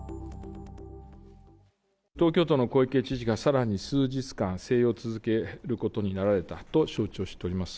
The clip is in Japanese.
東京都の小池知事が、さらに数日間、静養を続けることになられたと承知をしております。